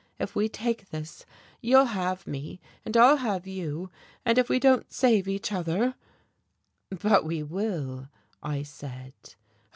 If we take this, you'll have me, and I'll have you. And if we don't save each other " "But we will," I said.